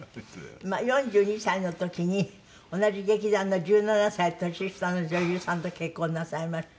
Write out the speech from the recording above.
４２歳の時に同じ劇団の１７歳年下の女優さんと結婚なさいまして。